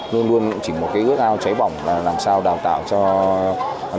luôn luôn chỉ một ước ao cháy bỏng là làm sao đào tạo cho đất nước